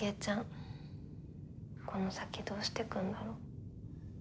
この先どうしていくんだろう。